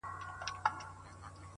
جلوه مخي په گودر دي اموخته کړم.